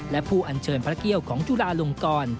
และผู้อัญเชิญพระเกี่ยวของจุฬาลงกร